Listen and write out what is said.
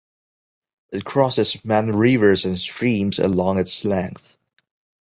It crosses many rivers and streams along its length.